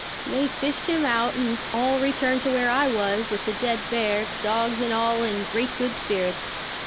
They fished him out and all returned to where I was, with the dead bear, dogs and all in great good spirits.